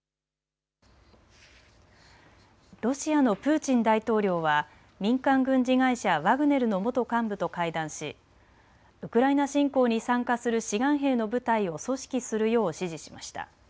ロシアのプーチン大統領は民間軍事会社ワグネルの元幹部と会談しウクライナ侵攻に参加する志願兵の部隊を組織するよう指示しました。